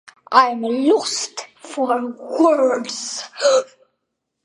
I’m lost for words.